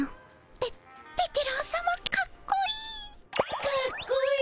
べベテランさまかっこいい！かっこいい！